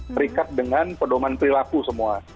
terikat dengan pedoman perilaku semua